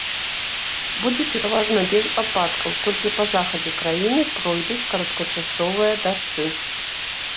Будзе пераважна без ападкаў, толькі па захадзе краіны пройдуць кароткачасовыя дажджы.